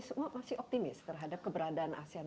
semua masih optimis terhadap keberadaan asean